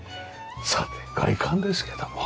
さて外観ですけども。